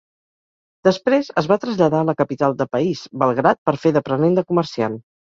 Després es va traslladar a la capital de país, Belgrad, per fer d'aprenent de comerciant.